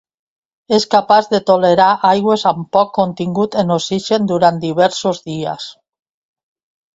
És capaç de tolerar aigües amb poc contingut en oxigen durant diversos dies.